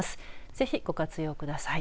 ぜひご活用ください。